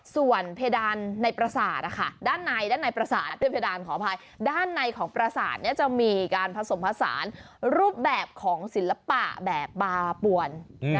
ส่วนเพดานในปราสาทนะคะด้านในของปราสาทจะมีการผสมผสานรูปแบบของศิลปะแบบปาปวน